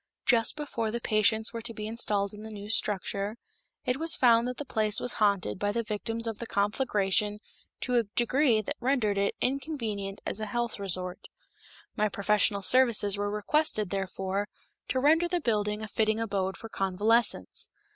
Just before the patients were to be installed in the new structure, it was found that the place was haunted by the victims of the conflagration to a degree that rendered it inconvenient as a health resort. My professional services were requested, therefore, to render the building a fitting abode for convalescents.